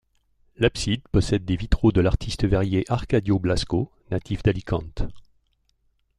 L'abside possède des vitraux de l'artiste verrier Arcadio Blasco, natif d'Alicante.